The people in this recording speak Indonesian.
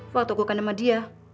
waktu aku akan sama dia